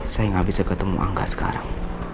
saya gak bisa ketemu angga sekarang